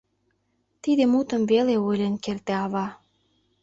— тиде мутым веле ойлен керте ава.